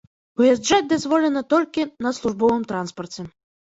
Уязджаць дазволена толькі на службовым транспарце.